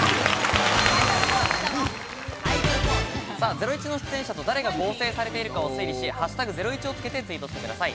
『ゼロイチ』の出演者と誰が合成されているかを推理し、「＃ゼロイチ」をつけてツイートしてください。